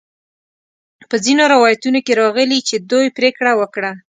په ځینو روایتونو کې راغلي چې دوی پریکړه وکړه.